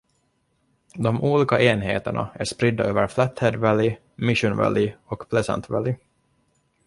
De olika enheterna är spridda över Flathead Valley, Mission Valley och Pleasant Valley.